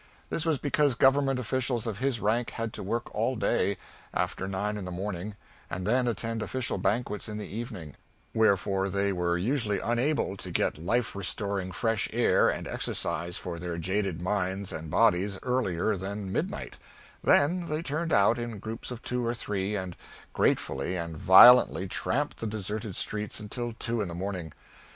This was because Government officials of his rank had to work all day, after nine in the morning, and then attend official banquets in the evening; wherefore they were usually unable to get life restoring fresh air and exercise for their jaded minds and bodies earlier than midnight; then they turned out, in groups of two or three, and gratefully and violently tramped the deserted streets until two in the morning.